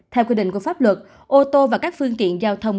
theo quy định của pháp luật ô tô và các phương tiện giao thông